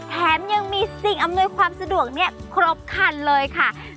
แถมยังมีสิ่งอำนวยความสะดวกครบคันเลยค่ะ